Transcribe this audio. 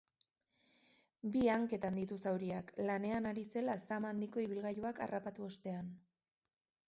Bi hanketan ditu zauriak, lanean ari zela zama handiko ibilgailuak harrapatu ostean.